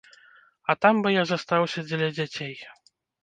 А там бы я застаўся дзеля дзяцей.